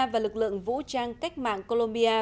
và lực lượng vũ trang cách mạng colombia